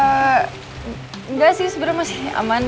eee enggak sih sebenernya masih aman